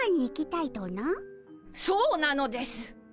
そうなのです。